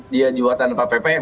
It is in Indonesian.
dia jual tanpa ppn